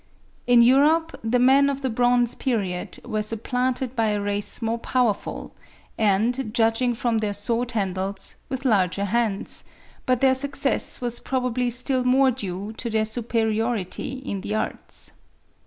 In Europe the men of the Bronze period were supplanted by a race more powerful, and, judging from their sword handles, with larger hands (3. Morlot, 'Soc. Vaud. Sc. Nat.' 1860, p. 294.); but their success was probably still more due to their superiority in the arts.